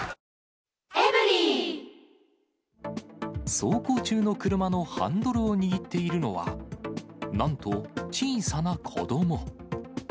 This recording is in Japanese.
走行中の車のハンドルを握っているのは、なんと、小さな子ども。